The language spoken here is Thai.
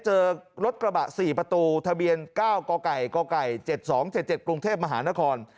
เจอรถกระบะ๔ประตูทะเบียน๙กก๗๒๗๗กรุงเทพมหานคร